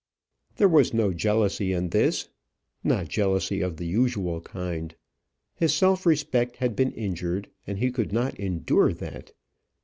There was no jealousy in this, not jealousy of the usual kind. His self respect had been injured, and he could not endure that.